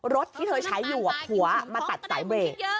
รถที่เธอใช้อยู่ผัวมาตัดสายเบรก